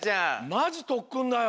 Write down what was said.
まじとっくんだよ！